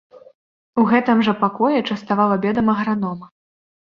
У гэтым жа пакоі частаваў абедам агранома.